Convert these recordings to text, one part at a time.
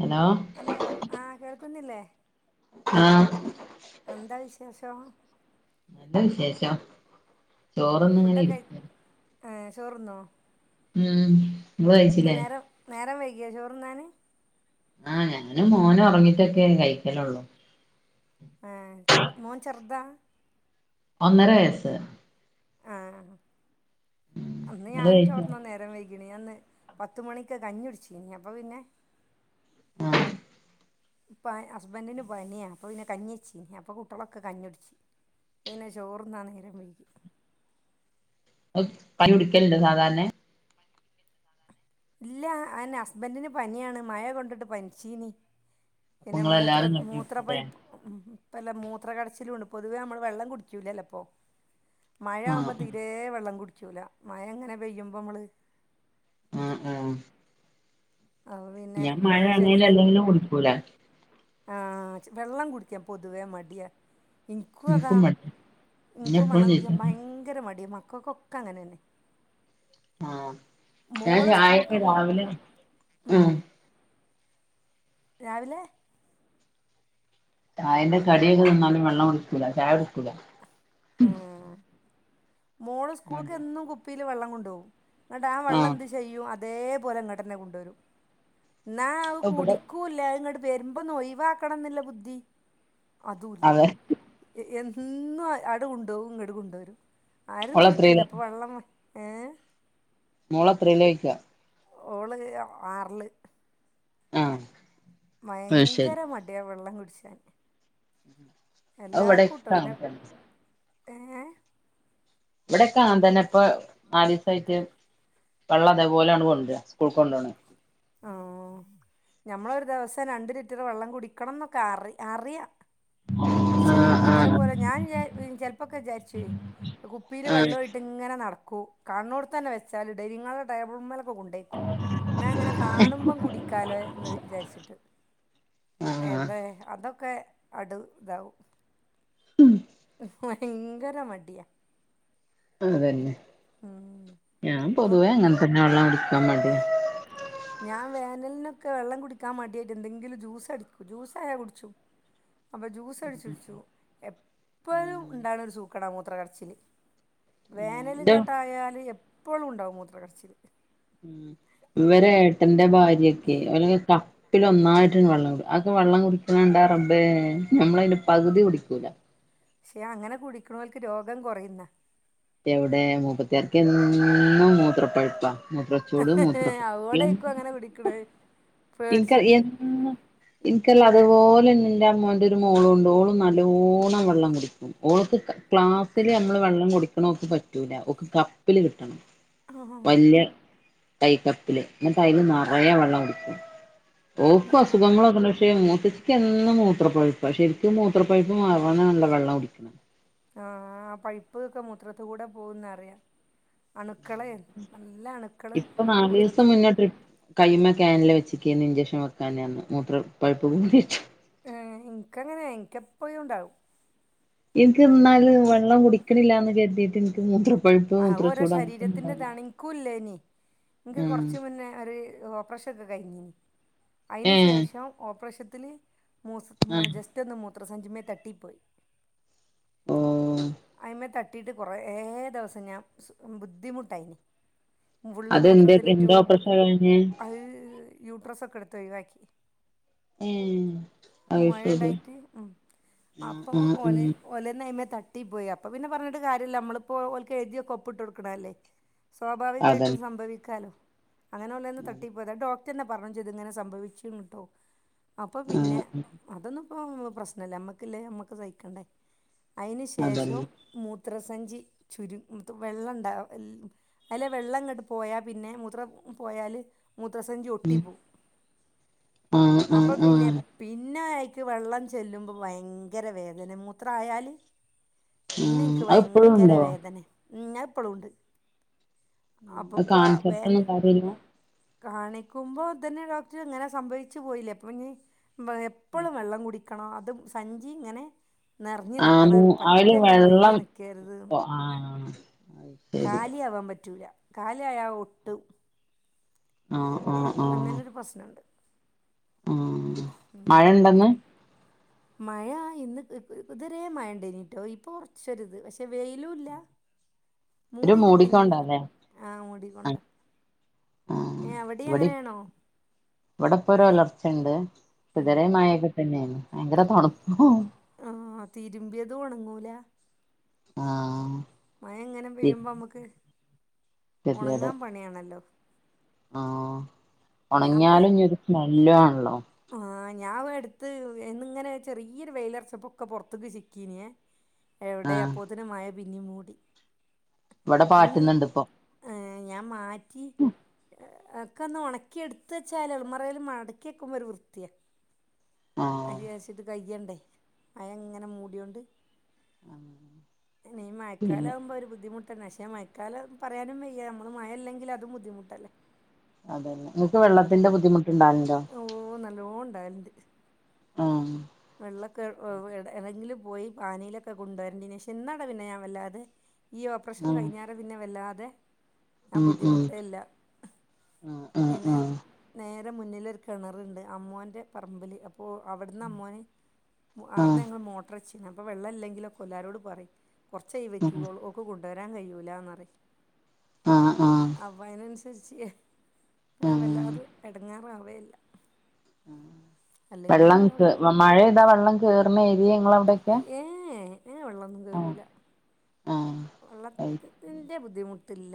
Hello hello ആഹ കേൾക്കുന്നില്ലേ ആഹ എന്താ വിശേഷം എന്താ വിശേഷം ചോറൊന്ന ഇങ്ങനെ ഇരിക്ക ഏ ചോർന്നോ ഉം ഇങ്ങള്ച്ചില്ലേ നേരം നേരം വൈകിയോ ചോറുംന്നാന് ആഹ് ഞങ്ങള് മോൻ ഉറങ്ങിട്ടൊക്കെ കഴിക്കലള്ളു ആഹ് മോൻ ചെറുതാ ഒന്നര വയസ്സ് ആഹ ഇന്ന് നിങ്ങള് ഞാനും കഴിച്ചോ ചോർന്നാ നേരം വൈ മിനിയാന്ന് പത്ത് മണിക്ക് കഞ്ഞൊടിച്ചീനി അപ്പ പിന്നെ ഉം ഇപ്പ ഹസ്ബൻറിന് പനിയ അപ്പൊ പിന്നെ കഞ്ഞി ച്ചിനി അപ്പൊ കുട്ടികളൊക്കെ കഞ്ഞിടിച്ചു പിന്നെ ചോർന്നാ നേരം വയ്കി കഞ്ഞി കുടിക്കലുണ്ടൊ സാധാരണ ഇല്ല അന്നെ ഹസ്ബൻറിന് പനിയാണ് മഴ കൊണ്ടിട്ട് പനിച്ചീനി അപ്പൊ പിന്നെ മൂത്ര നിങ്ങളെല്ലാരും മൂത്ര കഞ്ഞില്ലേ പൈപ്പ് ഉം ഇപ്പല്ല മൂത്ര കടച്ചിലുംണ്ട് പൊതുവേ നമ്മള് വെള്ളം കുടിക്കൂലല്ലോ ഇപ്പൊ ആഹ് മഴയാകുമ്പോ തീരെ ആഹ് വെള്ളം കുടിക്കൂല മഴ അങ്ങനെ പെയ്യുമ്പമ്മള് ഉം ഉം പിന്നെ ഞാൻ മഴ അത് ആണേലും അല്ലെങ്കിലും കുടികൂല ആഹ് ജ് വെള്ളം കുടിക്കാൻ പൊതുവേ മടിയ ഇൻക്കും അതാ എനിക്കും മടി ഇന്നെ ഇൻക്കും എപ്പഴും വള്ളം ചീത്ത കുടിക്കാൻ പറയും. ഭയങ്കര മടി മക്കൾക്കൊക്കെ അങ്ങനെന്നെ ആഹ ഞാൻ മോള് ചായക് സ്കൂൾക്ക് കു രാവിലെ ഉം രാവിലെ ചായന്റെ കടിയൊക്കെ തിന്നാലും വെള്ളം കുടിക്കൂല ചായ കുടിക്കൂല ആ മോള് സ്കൂളക് മടി എന്നും കുപ്പില് ആഹ് വെള്ളം ചെയ്യും അതേപോലെ ഇങ്ങട്ടന്നെ കൊണ്ടുവരും ന്നാ കൂടി ഇവിടെ പ്പൂല്ല അഹ് ഇങ്ങട്ട് വരുമ്പം ഇന്നാ ഒഴിവാക്കണംന്നില്ല ബുദ്ധി അതുംല്ല അതെ എന്നും ആണ്ട് കൊണ്ടവും ഇങ്ങട് കൊണ്ടരും ആരും കുടിക്കൂല ഓളെത്രയിലാ ഇപ്പ വെള്ളം ഏഹേ? മോള് എത്രേല ചോയ്ക്ക? ഓള് ആർല് ആഹ് അത് ശരി ഭയങ്കര മടിയാ വെള്ളം കുടിച്ചാന് ഉം എല്ലാർക്കുംട്ടോ പിന്നെ ഏഹേ? ഇബടെക്കെ അങ്ങൻത്തന്നെ ഇപ്പ നാലീസായിട്ട് വെള്ളം അതേപോലാണ്ട് കൊണ്ട് വരാ സ്ക്കൂൾക് കൊണ്ടോണെ ആഹ് ഞമ്മളൊരു ദിവസം രണ്ട് ലിറ്റർ വെള്ളം കുടിക്കണം എന്നൊക്കെ അറി അറിയാ പക്ഷേ ആഹ് അതേപോലെ ഞാൻ ചെലപ്പോക്കെ വിചാരുച്ചേ കുപ്പീല് ആഹ് വെള്ളുവായിട്ട് ഇങ്ങനെ നടക്കൂ കാണ് ണോട്ത്തന്നെ വെച്ചാല് ഡെയ്നിങ്ങാളില് ടേബിൾമ്മലൊക്കെ കൊണ്ടേ കാണുമ്പം കുടിക്കാലോ എന്ന് വിചാരിച്ചിട്ട് ആഹ് ആഹ് എവടെ അതൊക്കെ ആട്ട് ഇതാവും ഉം ഭയങ്കര മടിയാ അതന്നെ ഞാൻ ഇപ്പം പൊതുവേ അങ്ങനെ തന്നെ വെള്ളം കുടിക്കാൻ മടിയ ഞാൻ വേനലിനൊക്കെ വെള്ളം കുടിക്കാൻ മടിയായിട്ട് എന്തെങ്കിലും ജ്യൂസ് അടിക്കു ജ്യൂസായ കുടിക്കും അപ്പൊ ജ്യൂസ് അടിച്ച് വെച്ചു എപ്പഴും ഇണ്ടാണെ ഒരു സൂക്കേടാ മൂത്ര കട്ച്ചില് വേനല് ന്റെ ഇങ്ങട്ടായല് എപ്പഴും ഇ ണ്ടാവും മൂത്രകട്ച്ചില് ഉം ഇവരെ ഏട്ടന്റെ ഭാര്യകെ ഓലൊക്കെ ക പ്പില് ഒന്നായിട്ടാണ്ട് വെള്ളം കുടിക്കും അത് വെള്ളം കുടിക്കണണ്ടാ റബ്ബേ നമ്മളയ്ന്റെ പകുതി കുടിക്കൂല പക്ഷെ അങ്ങനെ കുടിക്കണോൽക്ക് രോഗം കുറയുന്ന എവിടെ മുപ്പത്തിയാർക്കെന്നും മൂത്ര പ്പഴ്പ്പാ മൂത്രച്ചൂട്, മൂത്ര പൊഴ്പ്പ് അതോടായിരിക്കും എന്നും അങ്ങനെ കുടിക്കണേ പേടിച്ചിട്ട് ഇൻക്കറീല്ല എന്നും ഇൻക്കറീല്ലാം അതുപോലെ എന്റെ അമ്മോന്റെ ഒരു മോളും ണ്ട് ഓളും നല്ലോണം വെള്ളം കുടിക്കും ഓൾക്ക് ക്ലാസ്സില് നമ്മള് വെള്ളം കുടിക്കണ ഒക്കെ പറ്റൂല ഓക്ക് കപ്പില് കിട്ടണം ആ വല്യ തൈ കപ്പില് ഇന്ന്ട്ടയില് നെറയെ വെള്ളം കൊടുക്കും ഓക്ക ഉം. അസുഖങ്ങളോകെ ഇണ്ട് പക്ഷെ മൂത്ത ച്ചിക്കെന്നും മൂത്രപ്പഴുപ്പ ശെരിക്കും മൂത്രപ്പഴുപ്പ് മാറാനാണല്ലോ വെള്ളം കുടിക്ക്ണെ? ആഹ് ആ പഴിപ്പ് ഒക്കെ മൂത്രത്ത്കൂടെ പോവുന്നറിയാം അണുക്കളെ നല്ല അണുക്ക- ഇപ്പൊ നാലീസം മുന്നേ ട്രിപ്പ് കയുമ്മ കാനൽ വെച്ചക്കേ. നി ഇഞ്ചക്ഷൻ വെക്കാന് പർഞ്ഞ് മൂത്ര പൈപ്പ് കൂടിയിട്ട് ഏഹ് ഇൻക്കങ്ങനെയ ഇൻക്കെപ്പഴും ഇണ്ടാവും ഇൻക്കിന്നാല് വെള്ളം കുടിക്കിണില്ലാന്ന് കരുതിട്ട് ഇൻക് മൂത്ര ആഹ് ഓരോ ശരീരത്തിന്റെ ഇതാണ് ഇൻക്കൂല്ലേനി ഇൻക് ഉം കൊർച്ച് മുന്നെ ഒരു ഓപ്പറേഷ നൊക്കൊ കഴിഞീനി അതിന് ഏഹ് ശേഷം ഓപ്പറേഷത്തില് [unintelligible] ആഹ് ജസ്റ്റ്‌ ഒന്ന് മൂത്ര സഞ്ചിമ്മേ തട്ടി പോയി ഓ അയിമ്മേ തട്ടി യിട്ട് കൊറേ ദിവസം ഞാൻ ബുദ്ധിമുട്ടായിന് ഫുള്ള് അതെന്ത് മൂത്രത്തില് എന്ത് ട്യൂബ് ഓപ്പറേഷനാ കഴിഞ്ഞേ അഹ് യൂട്രസ് ഒക്കെ എടുത്ത് ഒഴിവാക്കി ഏഹ് അത് മൊഴ ശരി ഇണ്ടായിട്ട് ഉം ആഹ് അപ്പൊ ആഹ് ഉം ഓലെ ഓലെന്ന് അയിമേ തട്ടി പോയി. അപ്പൊ പിന്നെ പറഞ്ഞിട്ട് കാര്യല്ല നമ്മള് പ്പോ ഓൽക്ക് എഴുതിയക്കെ ഒപ്പിട്ട് കൊടുക്കണെ അല്ലേ. സ്വാഭാവികായിട്ടും അതന്നെ സംഭവിക്കാലോ, അങ്ങനെ ഓലേന്ന് അതെ തട്ടിപ്പോയതാ ഡോ റ്റന്നെ പറഞ്ഞും ചെയ്ത് ഇങ്ങനെ സംഭവിച്ചട്ടോ, അപ്പോ ആഹ് പിന്നെ ആഹ് അതൊന്നും ഒന്നും പ്രശ്നല്ല അമ്മക്ക് ല്ലേ അമ്മക്ക് സഹിക്കണ്ടേ അതിന് ശേഷം, അതന്നെ മൂത്രസഞ്ചി ചുരു വെള്ളം ഉണ്ടാവൽ അയിലെ വെള്ളം ങ്ങട്ട് പോയാ പിന്നെ മുത്രം പോയാല് മൂത്രസഞ്ചി ഉം ഒട്ടിപ്പോവും ആഹ് ആഹ് അപ്പം പിന്നെ ആഹ് ആഹ് പിന്നെ അയിക്ക് വെള്ളം ചെല്ലുമ്പോൾ ഭയങ്കര വേദന മൂത്രയാൽ പിന്നെ ഇൻക്ക് അത് ഇപ്പഴും ഭയങ്കര ഉണ്ടോ വേദനേ അത് ഇപ്പളും ഉണ്ട്. അത് അപ്പപ്പോ വേ കാണിച്ചപ്പളൊന്നും കാര്യല്ല കാണിക്കുമ്പോ ഇതന്നെ ഡോക്ടർ ഇങ്ങനെ സംഭവിച്ചു പോയില്ലേ അപ്പം ഇനി, എപ്പഴും വെള്ളം കുടിക്കണം അതും സഞ്ചി ഇങ്ങനെ നിറഞ്ഞു ആമൂ നിക്കണം അയില് പറ്റങ്ങനെ ഒഴിഞ് വെള്ളം നിക്കരുത് ന്ന്. [unintelligible] കാലിയാവാൻ പറ്റൂല കാലി ആയാ ഒട്ടും. ആഹ് ആഹ് ആഹ്. പ്രശ്നണ്ട്. ഉം മഴണ്ടെന്ന്. മഴ ഇന്ന് ഇതരേ മഴണ്ടേനീട്ടോ. ഇപ്പൊ കുറച്ചൊരിത്, പക്ഷെ വെയിലുംല്ല. ഒരു മൂടി കെട്ടിങ് മൂടിക്കൊണ്ടാല്ലേ ആഹ് മൂടിക്കൊണ്ടാ. ആ ഇവിടിം, അങ്ങനെയാണോ ഇവിടെപ്പൊ ഒരു ഒലർച്ചണ്ട്. ഉം ഇതരെ മഴൊക്കെ തന്നെയ്നി ഭയങ്കര തണുപ്പ. ആഹ് തിരുമ്പിയതും ഒണങ്ങൂല. ആഹ്. മഴങ്ങനെ പെയ്യുമ്പോ മ്മക്ക് ഒണങ്ങാൻ പണിയാണല്ലോ. ആ ഒണങ്ങിയാലും ഒരു സ്മെല്ലു ആണല്ലോ. ആഹ്. ഞാൻ ഇവിടെ അടുത്ത് എന്നിങ്ങനെ ചെറിയൊരു വെയിലറച്ചപ്പൊക്കെ പുറത്തേക്ക് ചിക്കീനേ. എവിടെ ആഹ് അപ്പോത്തിന് മഴ പിന്നിം മൂടി. ഇവിടെ ഒന്ന് പാറ്റുന്നുണ്ട് ഇപ്പൊ. ഏ ഞാൻ മാറ്റി എ ഒക്കെന്ന് ഒണക്കി എടുത്ത വെച്ചാൽ അലമാറയിൽ മടക്കിയെക്കുമ്പോ ഒരു വൃത്തിയാ അത് ആഹ് വിചാരി ഇത് കയ്യണ്ടേ, മഴ ഇങ്ങനെ മൂടിയൊണ്ട്. പിന്നെ ഈ മഴക്കാല പിന്നെ ആകുമ്പോ ഒരു ബുദ്ധിമു ട്ടെന്നെ, പക്ഷേ മയക്കാല പറയാനും വയ്യ നമ്മൾ മഴ ഇല്ലെങ്കില് അതും ബുദ്ധിമുട്ടല്ലേ. അതെ, ഇങ്ങക്ക് വെള്ളത്തിന്റെ ബുദ്ധിമുട്ടുണ്ടാവലിണ്ടോ. ഓ നല്ലോം ഇണ്ടാവലണ്ട്. ആഹ്. വെള്ളൊക്കെ എവടേങ്കിലൊക്കെ പോയി, പാനീയിലൊക്കെ കൊണ്ടരേണ്ടിനി, ശെ ഇന്നാ പിന്നെ ഞാൻ വല്ലാതെ ഈ ഓപ്പറഷൻ ആഹ് കഴിഞ്ഞേര പിന്നെ വല്ലാതെ, ആ ഉം ഉം ബുദ്ധിമുട്ടേല്ല. ആഹ് പിന്നെ ആഹ് നേരെ മുന്നിലൊരു കെണറ്ണ്ട് അമ്മോന്റെ പറമ്പില് അപ്പോ അവിടന്ന് അമ്മോന് ആട്ന്ന് ആഹ് ഞങ്ങള് മോട്ടർച്ചന് അപ്പൊ വെള്ളം ഇല്ലെങ്കിലൊക്കെ എല്ലാരോട് പറയും കുറച്ച് ആയില് വെക്കി ഒ ൾക് കൊണ്ടുരാൻ കഴിയൂലന്നറിം, ആഹ് ആഹ് ആഹ് അപ്പ അയിനനസരിച്ച്. ഞാൻ ആഹ് വല്ലാതെ എടങ്ങാറാവേല്ല. അല്ലെങ്കില ഇന്നോടെ മഴയെതാ വെള്ളകേറുന്നേരി ഏഹ് ഏ വെള്ളൊന്നു ആഹ് കേറൂല ആഹ് അയ് വെള്ളത്തത്തിന്റെ ബുദ്ധിമുട്ടില്ല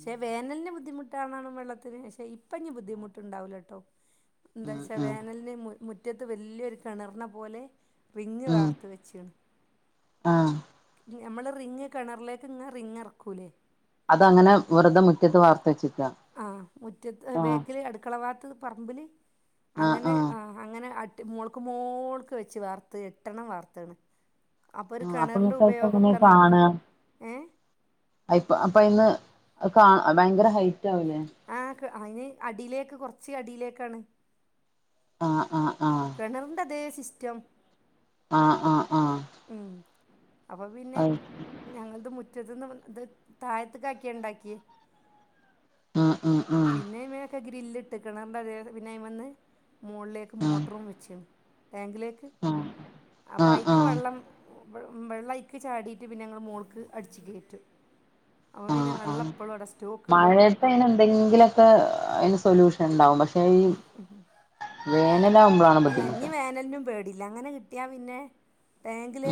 ഷെ വേനൽന് ബുദ്ധിമുട്ടാണോണ വെള്ളത്തിന് ഷെ ഇപ്പനിബുദ്ധിമുട്ടുണ്ടാവുലട്ടോ ആഹ് എന്താവെച്ചാ ആഹ് വേനലിന് മു മുറ്റത്ത് വെല്യയൊരു കിണർനെപോലെ റിങ്ങ് ഉം വാർത്ത് വെച്ചാണ് ആഹ് ഞമ്മള് റിങ്ങ് കിണറിലേക്ക് ഇങ്ങനെ റിങ്ങിറക്കൂലേ അതങ്ങന വെറുതെ മുറ്റത്ത് വാർത്തെച്ചിക്കാ ആഹ് മുറ്റത്ത് ബേക്കില് അടുക്കളഭാത്ത് പറമ്പില് അങ്ങനെ ആഹ് അങ്ങനെ അട്ടി മോൾക്ക് മോൾക്ക് വെച്ച് വാർത്ത് എട്ടെണ്ണം വാർത്തിണ് അപ്പൊരു ആഹ് അപ്പൊ കെണർന്റെ ഇങ്ങക്കതൊക്കെ എങ്ങനെ ഉപയോഗൊക്കെ നടക്കും ഏ അയിപ്പ അപ്പൊയിന്ന് കാ ഭയങ്കര ഹൈറ്റാവൂലേ ആഹ് കെ അയിന് അടീലേക്ക് കൊറച്ച് അടീലേക്കാണ് ആഹ് ആഹ് ആഹ് കെണർൻ്റതേ സിസ്റ്റം ആഹ് ആഹ് ആഹ് ഉംഹ് അപ്പൊപിന്നെ അത് ഞങ്ങളത് മുറ്റത്ത്ന്ന് ഇത് താഴത്ത്കാക്കിയാ ഇണ്ടാക്കിയേ ഉം ഉം ഉം പിന്നെ വേ ക്കെ ഗ്രില്ല് ഇട്ടക്കണണ്ട് അ പിന്നെ അയിമന്ന് മോൾലേക്ക് ഉം മോട്ടറും വെച്ച്ണ് ടാങ്കിലേക്ക് ആഹ് അപ്പയി ആഹ് പ്പം വെള്ളം അയിക്ക് ചാടിട്ട് പിന്നെ ഞങ്ങൾ മോൾക്ക് അടിച്ചു കേറ്റും അപ്പപിന്നെ വെള്ളെപ്പോഴും അവിടെ സ്റ്റോക്ക്ണ്ടാവും പ്പയിനെന്തെങ്കിലൊക്കെ അയിന് സൊല്യൂഷണ്ടാവും പക്ഷെ ഈ വേനലാവുമ്പോളാണ് അല്ല ഇഞ്ഞി വേനൽനും പേടയില്ല അങ്ങനെ കിട്ടിയാപിന്നെ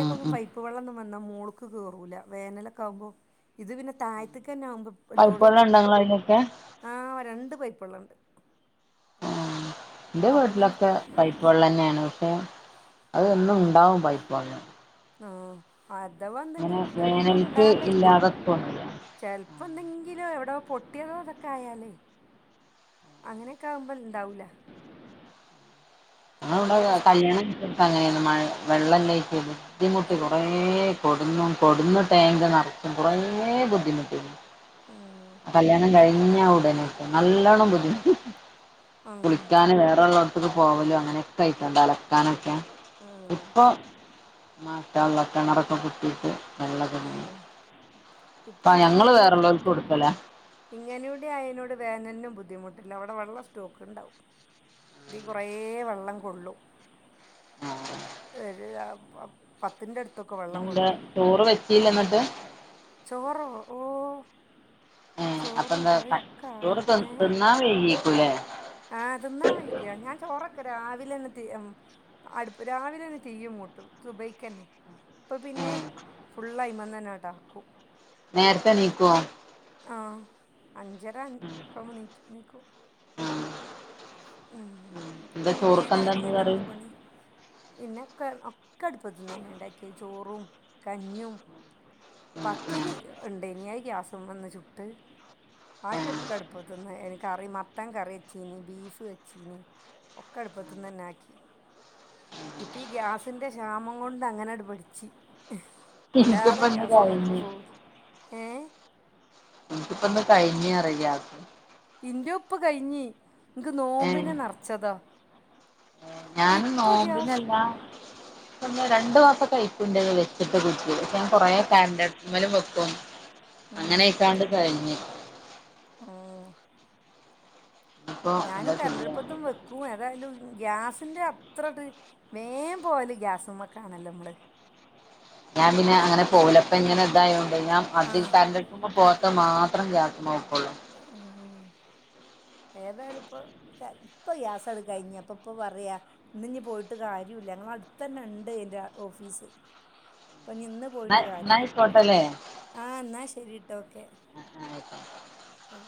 ഉം ഉം പൈപ്പ പ്പുവെള്ളൊന്നു വന്നാൽ മോൾക്ക് കേറൂലാ വേനലൊക്ക ആവുമ്പോ ഇത് പിന്നെ താഴത്തക്കന്നെ ആമ്പോ പൈപ്പുവെള്ളം ഇണ്ടാ ഇങ്ങളായിനൊക്കെ ആഹ് രണ്ട് പൈപ്പുള്ളൊണ്ട് ൻ്റെ അപ്പോൾ പിന്നെ വീട്ടിലൊക്കെ പൈപ്പ് വെള്ളന്നെയാണ് പക്ഷെ അതെന്നും ഇണ്ടാവും പൈപ്പുവെള്ളം ആഹ് അഥവാ എന്തെങ്കിലും ബു ഒന്നും വേനൽക്ക് ഇണ്ടാവലണ്ട് ഇല്ലാതെക്കൊന്നുല്ല ചെലപ്പോന്തെങ്കിലോ എവിടെയോ പൊട്ടിയതോതൊക്കെ ആയാല് അങ്ങനെയൊക്കെ ആവുമ്പോ ഇണ്ടാവൂലാ ഞാവിടെ അപ്പോൾ ഇവിടെ കല്യാണം അങ്ങനെയാണ് മഴ വെള്ളല്ലായിറ്റ് ബുദ്ധിമുട്ടി കുറേ കൊടുന്നും കൊടുന്നു ടാങ്ക് നെറച്ചും കുറേ ബുദ്ധിമുട്ടി ഉംഹ് കല്യാണം കഴിഞ്ഞ ഉടനെ നല്ലോണ്ണം ബുദ്ധിമുട്ടി ആഹ് കുളിക്കാന് വേറൊള്ള ക്ക് പോവലോ അങ്ങനൊക്കായിട്ടാണ് അലക്കാനൊക്കെ ആഹ് ഇപ്പൊ മാഷാള്ളാ കെണറൊക്കെ കുത്തിയിട്ട് വെള്ളത്തിന് ആഹ് ഇപ്പൊ ഞങ്ങള് വേറുള്ളോർക്ക് കൊടുക്കലാ ഇങ്ങനെയുടെ അയനോട് വേനനിനും ബുദ്ധിമുട്ടില്ല അവിടെ വെള്ളംസ്റ്റോക്ക് ഇണ്ടാവും ദീ കെറേ വള്ളം കൊള്ളും ഒരു പത്തിന്റെ അടുത്തൊക്കെ വെള്ളം എന്താ കൊള്ളും ചോറ് വെച്ചീല്ല എന്നിട്ട് ചോറോ ഓ അപ്പൊ ചോറും എന്താ കറിയൊക്കെ ആയി ചോറ് ഏഹ് തിന്നാ വൈകീകുലേ ആഹ് തിന്നാ വൈകിയോ ഞാൻ ചോറൊക്കെ രാവിലെ തിന്നിട്ടു ഉം അടുപ്പ് രാവിലെ ഒന്ന് തിയ്യ് മൂട്ടും സുബൈക്കന്നെ. ഇപ്പ ഏ പിന്നെ ഫുളള് അയ്മന്നന്നാട്ടൊ നേര്ത്തെ എണീക്കൊ? ആഹ് അഞ്ചര അൻ കാവു നീറ്റ് നീക്കു ഉം എന്താ പിന്നെ വേ ചോറ്ക്കെന്താന്ന് രാവിലെന്നെ കറി നമ്മള പണി. പിന്നെ ഒക്ക ഒക്ക അടുപ്പത്തന്നന്നെ ഇണ്ടാക്കി ചോറും കഞ്ഞും. പത്തിരി ഇണ്ടെയ്ന് അത് ഗ്യാസ്മന്ന് ചുട്ട്. ബാക്കിയൊക്ക അടുപ്പത്ത്ന്ന് എനി മത്തൻകറി വച്ചീന്ന്. ബീഫ് വച്ചീന് ഒക്ക അടുപത്ത്ന്നെന്നാക്കി. ഇപ്പ ഈ ഗ്യാസിന്റെ ക്ഷാമം കൊണ്ട് അങ്ങനട് പഠ്ച്. വല്ലാതെ എനിക്കിപ്പ ഇന്ന് ഗ്യാസ്മക് കഴിഞ്ഞ് പോവൂല ഏഹ് ഇപന്ന് കഴ്ഞ റെഡിയാകും ഇന്റവു ഇപ്പ കഴിഞ്ഞ് ഇക് ഏ നോമ്പിന് നെറ്ച്ചത ഞാൻ നോമ്പിനല്ലാ പിന്നെ രണ്ടു മാസം ഒക്കെയാരിക്കും ഇന്റത് വെച്ചിട്ട്. കുറ്റി പക്ഷെ ഞാൻ കൊറേ കറന്റ്ടുപ്പ് മ്മലു വെക്കും ഉം അങ്ങനെയൊക്കാണ്ട് കഴിഞ്ഞ്. ഉം ഇപ്പൊ ഞാനും എന്താ കറന്റ് ചെയ്യാ അട്പ്പത്തും വെക്കും. ഉം ഏതയാലും ഗ്യാസിൻ്റെ അത്രട്ട് മേൻ പോകല് ഗ്യാസമ്മക്കാണലൊ നമ്മള്. ഞാൻ പിന്നെ അങ്ങനെ പോകൂല ഇപ്പ ഇങ്ങനെ ഇതായോണ്ട് ഞാ അധികം ആഹ് കറന്റ് അടു പോകത്ത മാത്രം ഗ്യാസ്മ്മ വെക്കൊള്ളു. ഉം ഏതായാലും ഇപ്പൊ ഇപ്പൊ ഗ്യാസട് കഴിഞ്ഞപ്പൊ ഇപ്പ പറയ. ഇന്ന് ഇഞ് പോയിട്ട് കാര്യുല്ല ഞങ്ങളെ അടുത്തന്നെ ഇണ്ട് ഇതിന്റെ ഓഫീസ് അപ്പൊഞി ഇന്ന്. ന്നാ പോയിട്ട് ന്നാ കാര്യല്ല ആയിക്കോട്ടല്ലേ ആഹ് ഇന്നാ ശരിട്ടൊ ഓക്കെ. ആഹ് ആഹ് ആയിക്കോ അവ്